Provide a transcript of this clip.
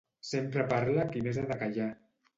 Sempre parla qui més ha de callar.